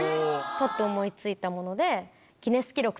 パっと思い付いたもので。